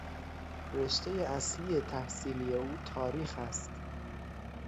رشتهی اصلی تحصیلی او تاریخ است.